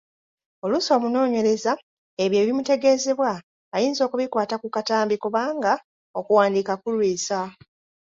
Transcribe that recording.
Oluusi omunoonyereza ebyo ebimutegeezebwa ayinza okubikwata ku katambi kubanga okuwandiika kulwisa.